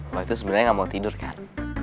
gue itu sebenernya gak mau tidur kan